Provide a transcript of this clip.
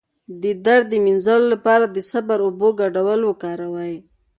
د درد د مینځلو لپاره د صبر او اوبو ګډول وکاروئ